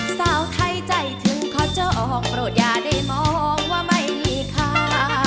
สาวไทยใจถึงขอเจ้าออกโปรดอย่าได้มองว่าไม่มีค่า